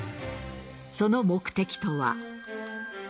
その目的とは。